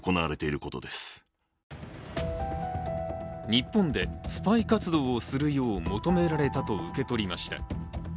日本でスパイ活動をするよう求められたと受け取りました。